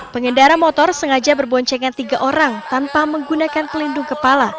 pengendara motor sengaja berboncengan tiga orang tanpa menggunakan pelindung kepala